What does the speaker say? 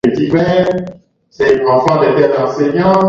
Kimeta ni ugonjwa wa wanyama wa damu moto